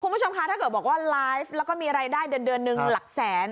คุณผู้ชมคะถ้าเกิดบอกว่าไลฟ์แล้วก็มีรายได้เดือนหนึ่งหลักแสน